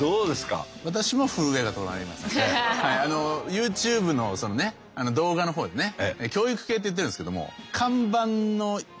ＹｏｕＴｕｂｅのその動画の方でね教育系と言ってるんですけども看板の威厳がかかりますから。